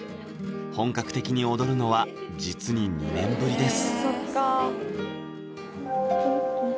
本格的に踊るのは実に２年ぶりです